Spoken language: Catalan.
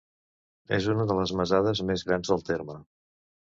És una de les masades més grans del terme.